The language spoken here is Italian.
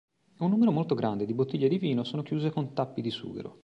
Un numero molto grande di bottiglie di vino sono chiuse con tappi di sughero.